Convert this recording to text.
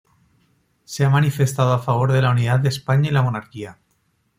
Se ha manifestado a favor de la unidad de España y la monarquía.